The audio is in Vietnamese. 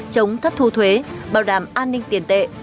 chống thất thu thuế bảo đảm an ninh tiền tệ